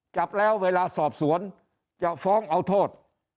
จับแล้วเวลาสอบสวนจะฟ้องเอาโทษ